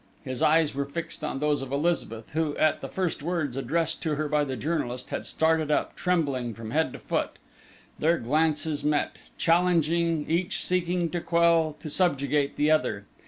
His eyes were fixed on those of Elizabeth who, at the first words addressed to her by the journalist, had started up, trembling from head to foot.... Their glances met, challenging, each seeking to quell, to subjugate the other....